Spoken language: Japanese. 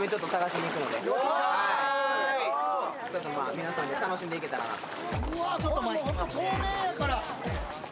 皆さんで楽しんでいけたらなと。